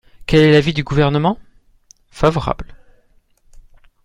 Quel est l’avis du Gouvernement ? Favorable.